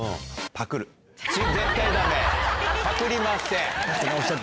パクりません。